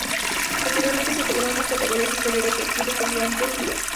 Posteriormente se integró en las categorías inferiores del club Estudiantes Lugo.